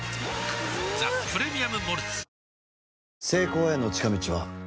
「ザ・プレミアム・モルツ」